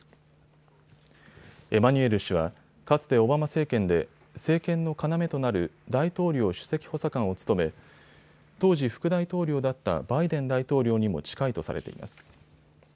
エマニュエル氏は、かつてオバマ政権で政権の要となる大統領首席補佐官を務め当時、副大統領だったバイデン大統領にも近いとされています。